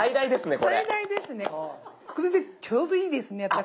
これでちょうどいいですね私。